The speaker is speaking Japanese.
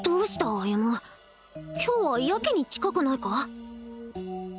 歩今日はやけに近くないか？